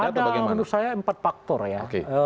ada yang menurut saya empat faktor ya